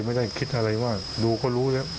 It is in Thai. ไม่ได้คิดอะไรว่าดูเขารู้แล้ว